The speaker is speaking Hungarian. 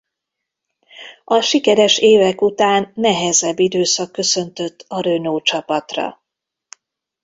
A sikeres évek után nehezebb időszak köszöntött a Renault csapatra.